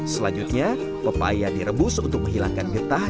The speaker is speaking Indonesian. selanjutnya pepaya direbus untuk menghilangkan getah